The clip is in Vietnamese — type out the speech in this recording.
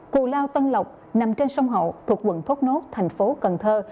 cù lao tân lộc nằm trên sông hậu thuộc quận thốt nốt thành phố cần thơ